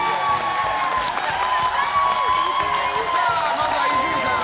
まずは伊集院さん。